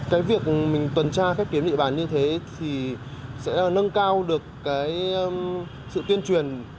cái việc mình tuần tra khép kín địa bàn như thế thì sẽ nâng cao được cái sự tuyên truyền